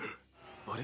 あれ？